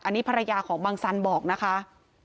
อันนี้ภรรยาของบังสันบอกนะคะ